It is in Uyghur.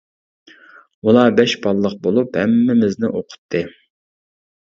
ئۇلار بەش بالىلىق بولۇپ، ھەممىمىزنى ئوقۇتتى.